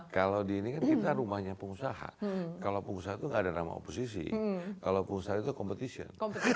kalau di ini kan kita rumahnya pengusaha kalau pengusaha itu nggak ada nama oposisi kalau pengusaha itu competition